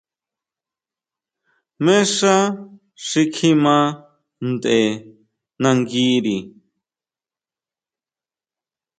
¿Jmé xá xi kjima ntʼe nanguiri?